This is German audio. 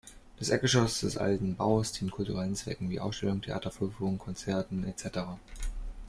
Das Erdgeschoss des Alten Baus dient kulturellen Zwecken wie Ausstellungen, Theatervorführungen, Konzerten etc.